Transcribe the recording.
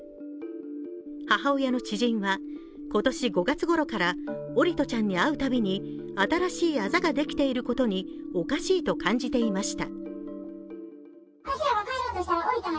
母親の知人は、今年５月ごろから桜利斗ちゃんに会うたびに新しいあざができていることに、おかしいと感じていました。